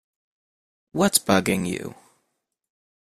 What’s bugging you?